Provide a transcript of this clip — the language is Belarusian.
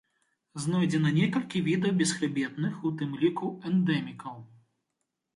Знойдзена некалькі відаў бесхрыбетных, у тым ліку эндэмікаў.